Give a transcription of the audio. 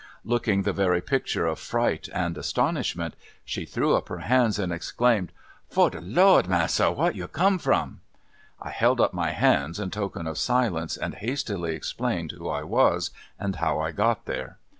Looking the very picture of fright and astonishment, she threw up her hands and exclaimed: "Fo' de Lo'd, massa, wha' you come from?" I held up my hand in token of silence, and hastily explained who I was and how I got there.